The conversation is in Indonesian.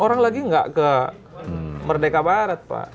orang lagi nggak ke merdeka barat pak